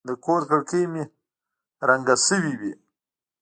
د کور کړکۍ مې رنګه شوې وې.